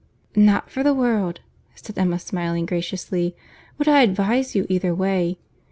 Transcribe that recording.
'" "Not for the world," said Emma, smiling graciously, "would I advise you either way.